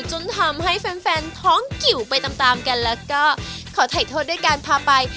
จนทำให้แฟนท้องกิวไปตามตามกันแล้วก็ขอถ่ายโทษด้วยการพาไป